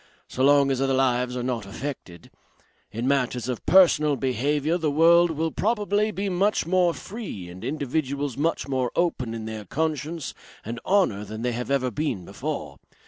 So long as other lives are not affected. In matters of personal behaviour the world will probably be much more free and individuals much more open in their conscience and honour than they have ever been before.